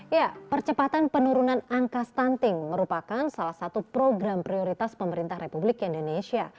ya percepatan penurunan angka stunting merupakan salah satu program prioritas pemerintah republik indonesia